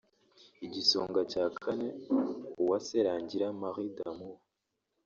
Igisonga cya Kane Uwase Rangira Marie D’Amour